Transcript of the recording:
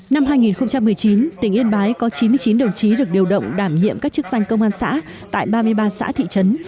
năm hai nghìn một mươi chín tỉnh yên bái có chín mươi chín đồng chí được điều động đảm nhiệm các chức danh công an xã tại ba mươi ba xã thị trấn